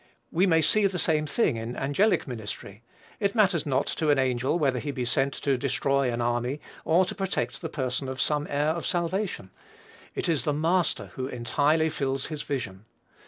We may see the same thine in angelic ministry. It matters not to an angel whether he be sent to destroy an army, or to protect the person of some heir of salvation. It is the Master who entirely fills his vision.